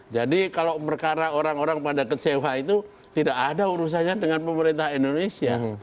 jadi kalau perkara orang orang pada kecewa itu tidak ada urusannya dengan pemerintah indonesia